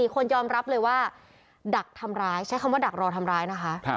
คนยอมรับเลยว่าดักทำร้ายใช้คำว่าดักรอทำร้ายนะคะ